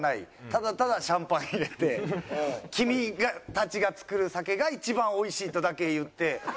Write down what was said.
ただただシャンパン入れて「君たちが作る酒が一番おいしい」とだけ言って。